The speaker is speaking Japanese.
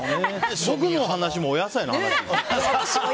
僕の話もお野菜の話です。